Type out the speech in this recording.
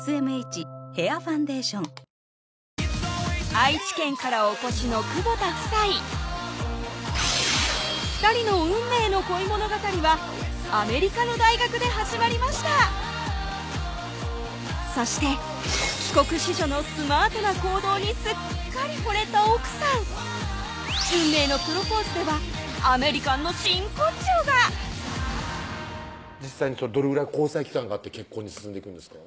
愛知県からお越しの窪田夫妻２人の運命の恋物語はアメリカの大学で始まりましたそして帰国子女のスマートな行動にすっかりほれた奥さん運命のプロポーズではアメリカンの真骨頂が実際どれぐらい交際期間があって結婚に進んでいくんですか？